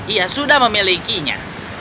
ia sudah memilikinya